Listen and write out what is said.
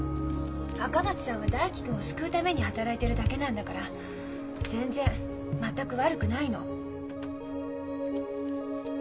赤松さんは大樹君を救うために働いているだけなんだから全然全く悪くないの。